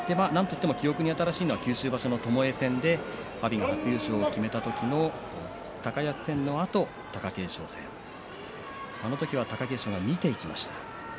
記憶に新しいのは九州場所、ともえ戦で阿炎が初優勝を決めた時高安戦のあとの貴景勝、あの時は貴景勝は見ていきました。